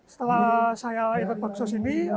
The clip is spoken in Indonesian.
setelah saya ikut baksos ini